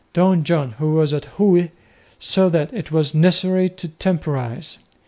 Don John, who was at Huy, saw that it was necessary to temporise.